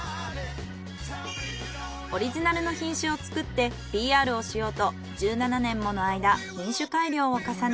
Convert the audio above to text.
オリジナルの品種を作ってＰＲをしようと１７年もの間品種改良を重ね